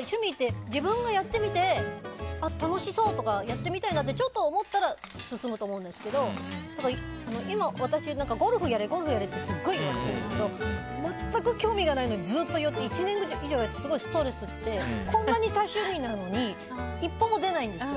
趣味って自分がやってみて楽しそうとかやってみたいなってちょっとでも思ったら進むと思うんですけど今、私ゴルフやれ、ゴルフやれってすごい言われるんですけど全く興味がないのに１年以上言われてすごいストレスでこんな多趣味なのに一歩も出ないんですよ。